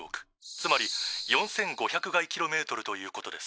つまり４，５００垓ｋｍということです」。